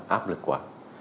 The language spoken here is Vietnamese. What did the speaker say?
áp lực quá